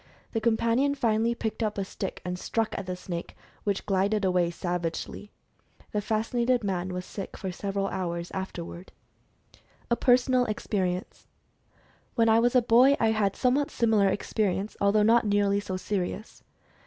The companion finally picked up a stick and struck at the snake, which glided ^away savagely. The fascinated man was sick for several hours afterward. A PERSONAL EXPERIENCE. When I was a boy, I had a somewhat similar experi ence, although not nearly so serious.